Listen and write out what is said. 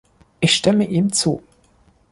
Ich stimme ihm zu.